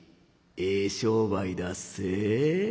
ええ商売だっせ。